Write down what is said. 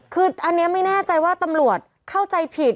คืออันนี้ไม่แน่ใจว่าตำรวจเข้าใจผิด